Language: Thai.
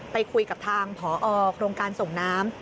ไปคุยกับทางผอโครงการส่งน้ำ